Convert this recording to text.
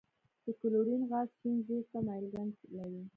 د کلورین غاز شین زیړ ته مایل رنګ لري.